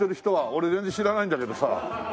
俺全然知らないんだけどさ。